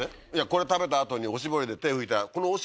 これ食べたあとにおしぼりで手拭いた。